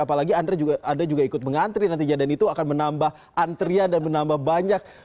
apalagi anda juga ikut mengantri nantinya dan itu akan menambah antrian dan menambah banyak